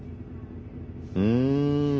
うん。